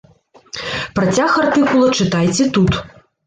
Працяг артыкула чытайце тут.